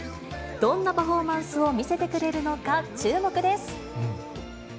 どんなパフォーマンスを見せてくれるのか、注目です。